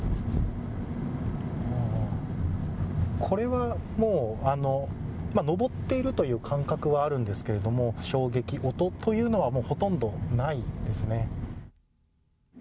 これは、登っているという感覚はあるんですけれども衝撃、音というのはほとんどないですね。